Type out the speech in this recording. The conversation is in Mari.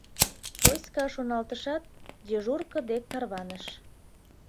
Коська шоналтышат, дежурко дек тарваныш.